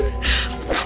aduh pingsan nek